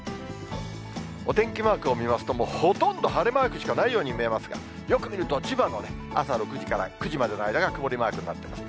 お天気マークを見ますと、もうほとんど晴れマークしかないように見えますが、よく見ると千葉の朝６時から９時までの間が曇りマークになってます。